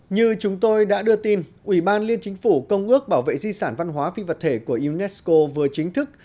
như chúng tôi đã đưa tin ủy ban liên chính phủ công ước bảo vệ di sản văn hóa phi vật thể của unesco vừa chính thức